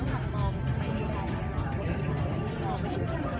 แม่กับผู้วิทยาลัย